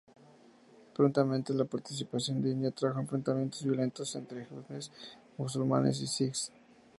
Prontamente la partición de India trajo enfrentamientos violentos entre hindúes, musulmanes y sijs.